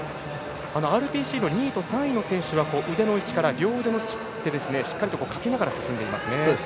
ＲＰＣの２位と３位の選手は腕の位置から両腕でしっかりとかきながら進んでいます。